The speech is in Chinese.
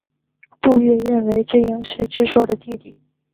杜预认为知盈是知朔的弟弟。